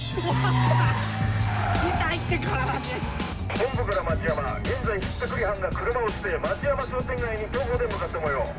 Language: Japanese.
本部から町山現在ひったくり犯が車を捨て町山商店街に徒歩で向かったもよう。